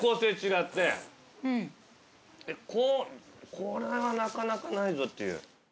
これはなかなかないぞっていう。